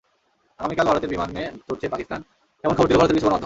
আগামীকালই ভারতের বিমানে চড়ছে পাকিস্তান, এমন খবর দিল ভারতের কিছু সংবাদমাধ্যম।